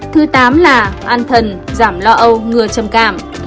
thứ tám là ăn thần giảm lo âu ngừa trầm cảm